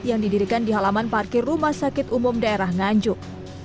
yang didirikan di halaman parkir rumah sakit umum daerah nganjuk